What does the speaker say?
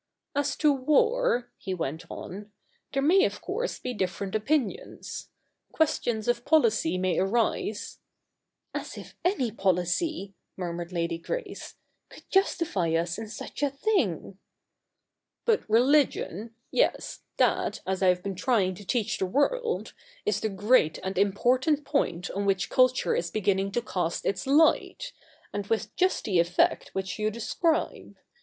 ' As to war,' he went on, ' there may of course be different opinions. Questions of policy may arise ' ('As if any policy,' murmured Lady Grace, ' could justify us in such a thing I ')' but religion — yes, that, as I have been tr)'ing to teach the world, is the great and important point on which culture is beginning to cast its light — and with just the effect which you describe.